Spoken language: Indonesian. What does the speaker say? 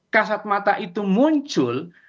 kasat mata itu muncul